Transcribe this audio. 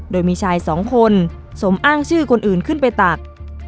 โดยมีชายสองคนสมอ้างชื่อคนอื่นขึ้นไปตัก